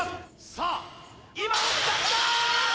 さあ今落ちてきた！